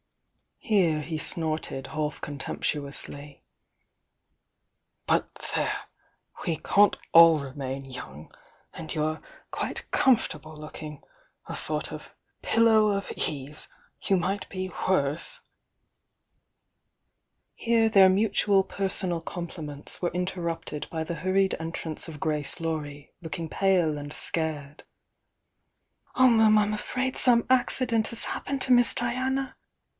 — here he snorted half contemptuously. "But there! — we can't all remain young, and you're quite com fortable looking— a sort of pillow of ease, — you might be worse " Here their mutual personal compliments were in terrupted by the hurried entrance of Grace Laurie, looking pale and scared. "Oh 'm, I'm afraid some accident has happened to Miss Diana!